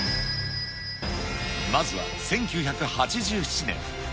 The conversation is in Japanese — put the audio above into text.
まずは１９８７年。